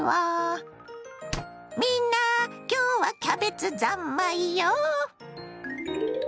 みんな今日はキャベツ三昧よ！